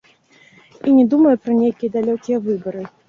І не думае пра нейкія далёкія выбары.